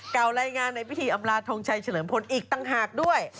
รายงานในพิธีอำลาทงชัยเฉลิมพลอีกต่างหากด้วย